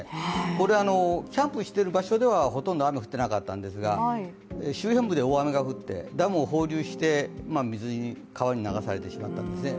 これ、キャンプしている場所ではほとんど雨降ってなかったんですが周辺部で大雨が降って、ダムを放流して水、川に流されてしまったんですね。